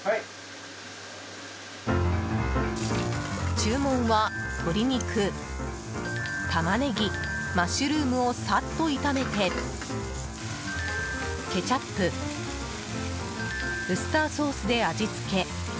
注文は鶏肉、タマネギマッシュルームをさっと炒めてケチャップ、ウスターソースで味付け。